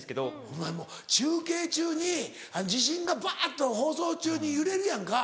お前もう中継中に地震がバっと放送中に揺れるやんか。